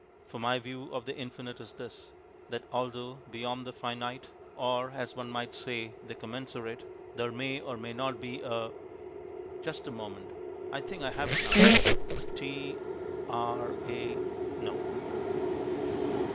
For my view of the Infinite is this: that although beyond the Finite, or, as one might say, the Commensurate, there may or may not be a Just a moment. I think I have it now. T R A No....